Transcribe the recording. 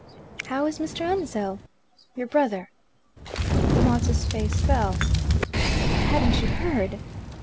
"How is Mr. Ansell, your brother?" Maud's face fell. "Hadn't you heard?"